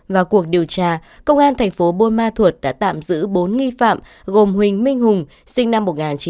vào cuộc điều tra công an thành phố buôn ma thuột đã tạm giữ bốn nghi phạm gồm huỳnh minh hùng sinh năm một nghìn chín trăm tám mươi